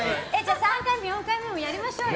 ３回目、４回目もやりましょうよ。